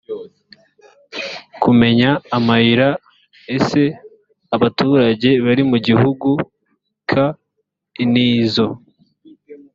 kumenya amayira ese abaturage bari mu gihugu k intizo